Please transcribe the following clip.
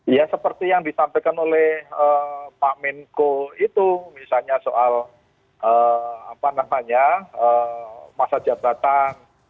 ya seperti yang disampaikan oleh pak menko itu misalnya soal masa jabatan